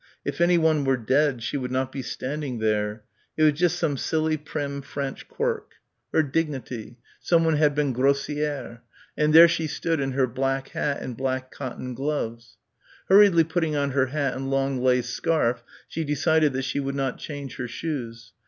If anyone were dead she would not be standing there ... it was just some silly prim French quirk ... her dignity ... someone had been "grossière" ... and there she stood in her black hat and black cotton gloves.... Hurriedly putting on her hat and long lace scarf she decided that she would not change her shoes.